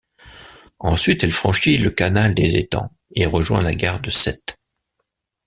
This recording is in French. Ensuite, elle franchit le canal des Étangs et rejoint la gare de Sète.